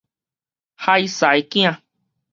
海獅囝